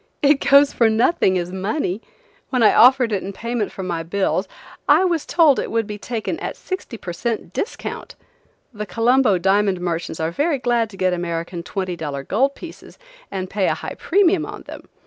It goes for nothing as money. When I offered it in payment for my bills I was told it would be taken at sixty per cent discount. The Colombo diamond merchants are very glad to get American twenty dollar gold pieces and pay a high premium on them.